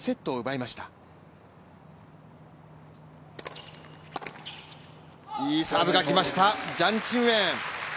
いいサーブがきましたジャン・チンウェン。